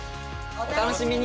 お楽しみに！